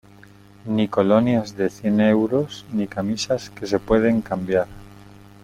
ni colonias de cien euros ni camisas que se pueden cambiar